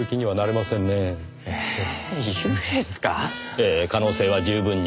ええ可能性は十分に。